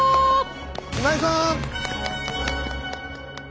今井さん！